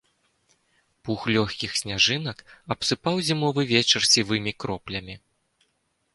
Пух лёгкіх сняжынак абсыпаў зімовы вечар сівымі кроплямі.